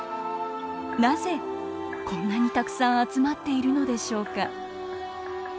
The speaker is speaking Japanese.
なぜこんなにたくさん集まっているのでしょうか。